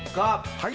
はい。